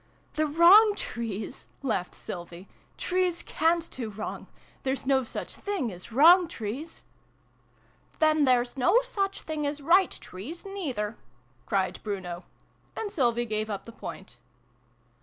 " The wrong trees !" laughed Sylvie. " Trees cant do wrong ! There's no such things as wrong trees !"" Then there's no such things as right trees, neither !" cried Bruno. And Sylvie gave up the point.